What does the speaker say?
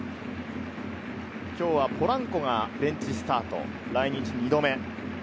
今日はポランコがベンチスタート、来日２度目。